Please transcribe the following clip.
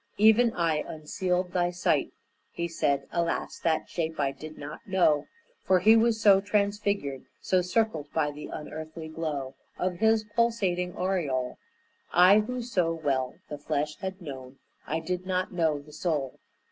"Even I unsealed thy sight," he said. Alas, that shape I did not know, For he was so transfigured, So circled by the unearthly glow Of his pulsating aureole; I who so well the flesh had known I did not know the soul.